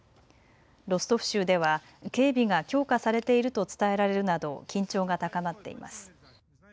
ロストフ州では警備が強化されていると伝えられるなど緊張が高まっています。